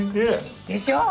でしょう！